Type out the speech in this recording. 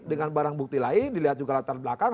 dengan barang bukti lain dilihat juga latar belakang